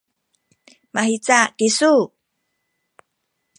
mahica kisu?